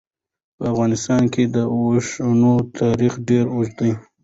په افغانستان کې د اوښانو تاریخ ډېر اوږد دی.